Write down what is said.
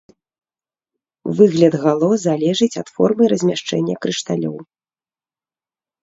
Выгляд гало залежыць ад формы і размяшчэння крышталёў.